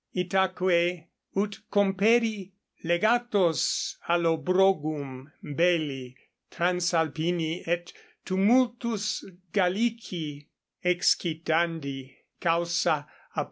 Itaque ut comperi, legatos Allobrogum belli Transalpini et tumultus Gallici excitandi causa a P.